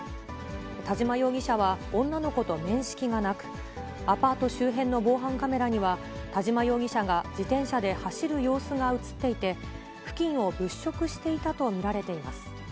田島容疑者は女の子と面識がなく、アパート周辺の防犯カメラには、田島容疑者が自転車で走る様子が写っていて、付近を物色していたと見られています。